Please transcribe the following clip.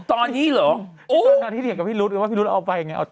ตอนนี้เหรอตอนที่เรียกกับพี่รุ๊ตว่าพี่รุ๊ตเราออกไปไงออกต่อ